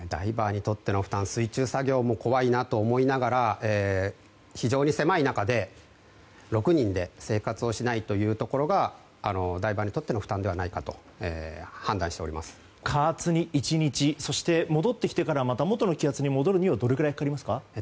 水中作業も怖いなと思いながら非常に狭い中で６人で生活をしないとというところがダイバーにとっての不安ではないかと加圧に１日そして戻ってきてからまた元の気圧に戻るにはどのくらいかかりますか？